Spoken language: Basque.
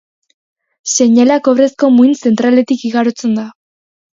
Seinalea kobrezko muin zentraletik igarotzen da.